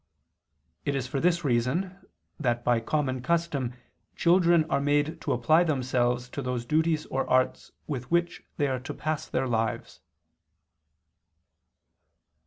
It is for this reason that by common custom children are made to apply themselves to those duties or arts with which they are to pass their lives.